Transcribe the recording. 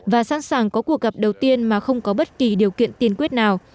và sẵn sàng có cuộc gặp đầu tiên mà không có bất kỳ điều kiện tiên quyết nào